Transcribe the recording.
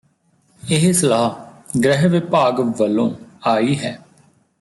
ਇਹ ਸਲਾਹ ਗ੍ਰਹਿ ਵਿਭਾਗ ਵਲੋਂ ਆਈ ਹੈ